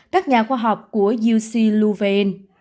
các nhà khoa học của uc luvain